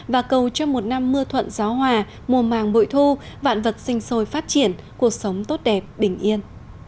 và cầu cho một năm mưa thuận gió hòa mùa màng bội thu vạn vật sinh sôi phát triển cuộc sống tốt đẹp bình yên